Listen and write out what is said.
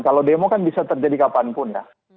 kalau demo kan bisa terjadi kapanpun ya